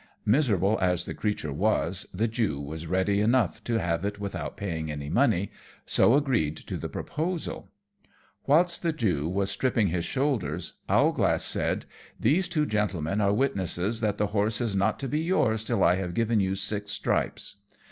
Miserable as the creature was the Jew was ready enough to have it without paying any money, so agreed to the proposal. [Illustration: The Jew's Bargain.] Whilst the Jew was stripping his shoulders Owlglass said, "These two gentlemen are witnesses that the horse is not to be yours till I have given you six stripes."